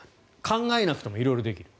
考えなくても色々できる。